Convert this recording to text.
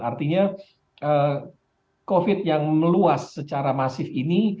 artinya covid yang meluas secara masif ini